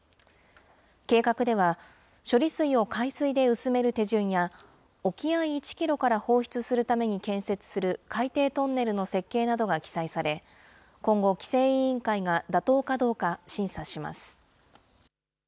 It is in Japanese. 計画では、処理水を海水で薄める手順や、沖合１キロから放出するために建設する海底トンネルの設計などが記載され、今後、規制委員会が妥当かどうか審査します。